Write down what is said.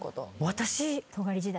私。